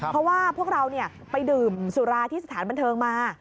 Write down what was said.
เพราะว่าพวกเราไปดื่มสุราที่สถานบันเทิงมา